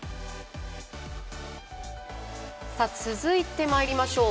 続いて、まいりましょう。